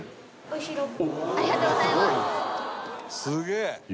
「すげえ！